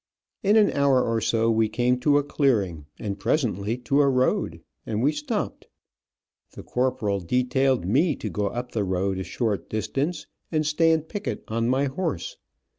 In an hour or so we came to a clearing, and presently to a road, and we stopped. The corporal detailed me to go up the road a short distance and stand picket on my horse.